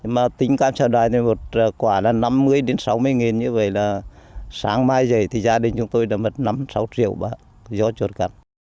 mà tính cam xã đoài thì một quả là năm mươi sáu mươi nghìn như vậy là sáng mai dậy thì gia đình chúng tôi đã mất năm sáu triệu do chuột cắn